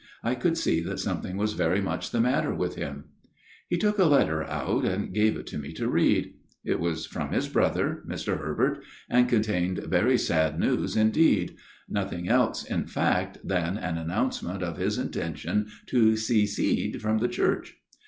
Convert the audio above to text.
I could see that something was very much the matter with him. " He took a letter out and gave it me to read. It was from his brother Mr. Herbert and contained very sad news indeed nothing else, in fact, than an announcement of his intention to secede from the Church.